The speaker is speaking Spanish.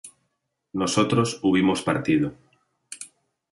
nosotros hubimos partido